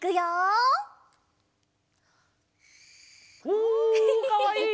うん！